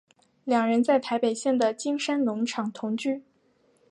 两人在台北县的金山农场同居。